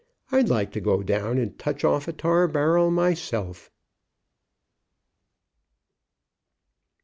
I'd like to go down and touch off a tar barrel myself."